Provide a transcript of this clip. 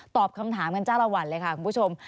ตอบคำถามกันจ้าละวันเลยค่ะคุณผู้ชม